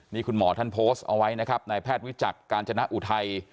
นี่คุณหมอท่านโพสต์เอาไว้นะครับนายแพทย์วิจักรกาญจนอุทัย